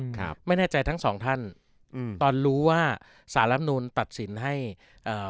ครับไม่แน่ใจทั้งสองท่านอืมตอนรู้ว่าสารรับนูลตัดสินให้เอ่อ